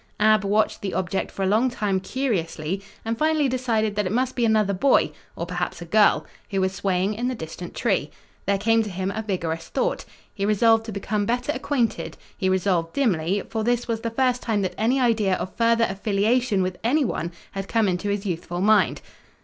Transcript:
Ab watched the object for a long time curiously, and finally decided that it must be another boy, or perhaps a girl, who was swaying in the distant tree. There came to him a vigorous thought. He resolved to become better acquainted; he resolved dimly, for this was the first time that any idea of further affiliation with anyone had come into his youthful mind.